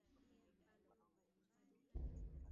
Mtoto amesema shairi